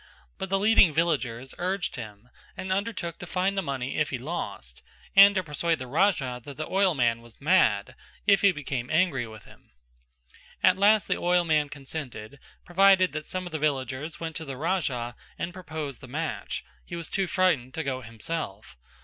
But the leading villagers urged him and undertook to find the money if he lost, and to persuade the Raja that the oilman was mad, if he became angry with him. At last the oilman consented, provided that some of the villagers went to the Raja and proposed the match; he was too frightened to go himself.